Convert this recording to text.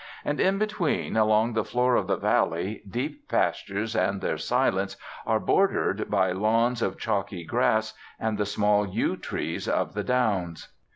And, in between, along the floor of the valley, deep pastures and their silence are bordered by lawns of chalky grass and the small yew trees of the Downs.